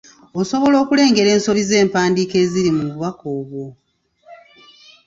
Osobola okulengera ensobi z’empandiika eziri mu bubaka obwo?